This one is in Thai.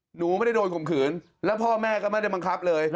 หนูไม่ได้โดนข่มขืนแล้วพ่อแม่ก็ไม่ได้บังคับเลย